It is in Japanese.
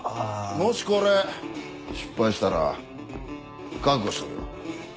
もしこれ失敗したら覚悟しとけよ。